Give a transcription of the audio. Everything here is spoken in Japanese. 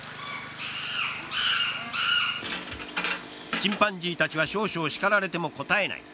チンパンジーたちは少々しかられてもこたえない。